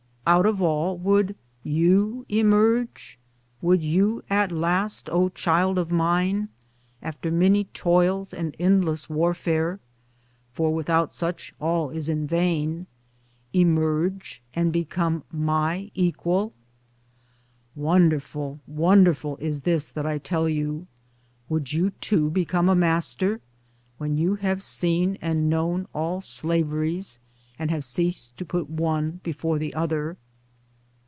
Out of all would YOU emerge? Would you at last, O child of mine, after many toils and endless warfare (for without such all is in vain) emerge and become MY EQUAL? [Wonderful, wonderful is this that I tell you ! Would you too become a Master — when you have seen and known all slaveries, and have ceased to put one before the other